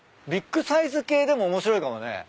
ビッグサイズ系でも面白いかもね。